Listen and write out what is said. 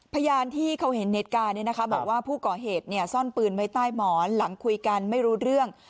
พยานที่เขาเห็นเหตุการณ์บอกว่าผู้ก่อเหตุซ่อนปืนไว้ใต้หมอนหลังคุยกันไม่รู้เรื่อง